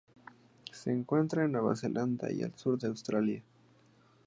Se encuentran en Nueva Zelanda y al sur de Australia.